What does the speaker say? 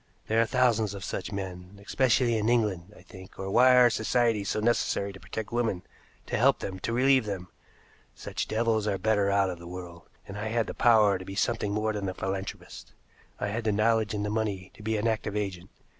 "There are thousands of such men, especially in England, I think, or why are societies so necessary to protect women, to help them, to relieve them? Such devils are better out of the world, and I had the power to be something more than a philanthropist. I had the knowledge and the money to be an active agent.